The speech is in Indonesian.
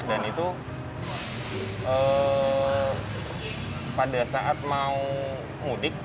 dan itu pada saat mau ngudik